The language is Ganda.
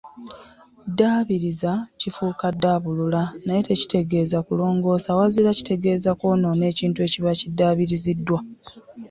Ddaabiriza ;kifuuka ddaabulula naye tekitegeeza kulongoosa wazira kitegeeza kwonoona ekintu ekiba kiddaabiriziddwa.